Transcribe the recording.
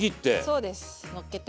そうですのっけて。